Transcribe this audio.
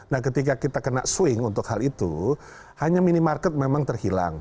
nah ketika kita kena swing untuk hal itu hanya minimarket memang terhilang